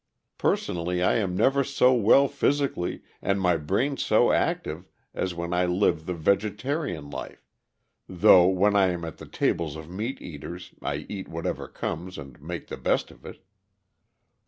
Personally I am never so well physically and my brain so active as when I live the vegetarian life, though when I am at the tables of meat eaters I eat whatever comes and make the best of it.